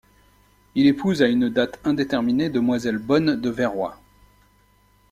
Il épouse à une date indéterminée demoiselle Bonne de Veroy.